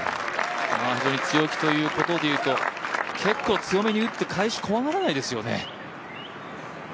非常に強気ということで言うと、結構、強めに打って返し怖がらないですよね。